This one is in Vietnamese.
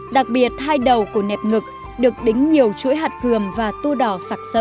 đặc biệt hai đầu của nẹp ngực được đính nhiều chuỗi hạt cường và tu đỏ sạc sỡ